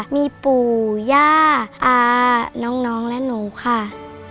มีปู่ย่าตาน้องและหนูค่ะ